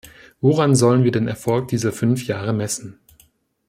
Woran sollen wir den Erfolg dieser fünf Jahre messen?